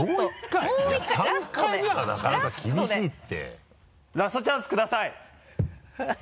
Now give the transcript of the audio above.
いや３回目はなかなか厳しいってラストチャンスください！